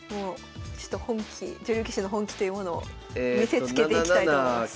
ちょっと本気女流棋士の本気というものを見せつけていきたいと思います。